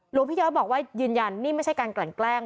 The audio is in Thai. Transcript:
หลวงพี่ย้อยบอกว่ายืนยันนี่ไม่ใช่การกลั่นแกล้ง